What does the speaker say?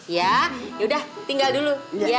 ya yaudah tinggal dulu